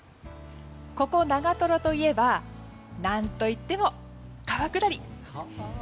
ここ長とろといえば何といっても川下り。